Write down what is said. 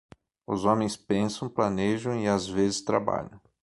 Os homens pensam, planejam e às vezes trabalham.